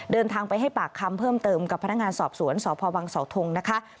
เดินทางไปให้ปากคำเพิ่มเติมกับพนักงานสอบสวนสพวังเสาทงนะคะ